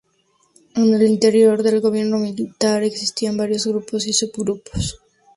En el interior del gobierno militar existían varios grupos y subgrupos.